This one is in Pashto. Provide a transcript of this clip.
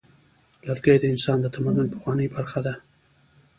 لرګی د انسان د تمدن پخوانۍ برخه ده.